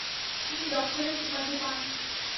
তিনি ডক্টরেট উপাধি পান।